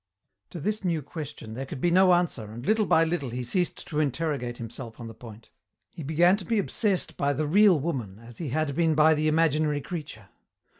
To this new question there could be no answer, and little by little he ceased to interrogate himself on the point. He began to be obsessed by the real woman as he had been by the imaginary creature.